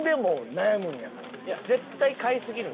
絶対買いすぎるんよ。